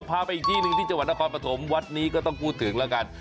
พาไปอีกที่หนึ่งที่จังหวัดนครปฐมวัดนี้ก็ต้องพูดถึงแล้วกัน